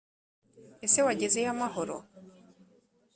Ese wagezeyo amahoro